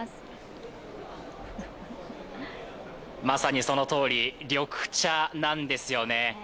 まさにそのとおり、緑茶なんですよね。